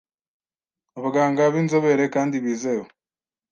abaganga b’inzobere kandi bizewe,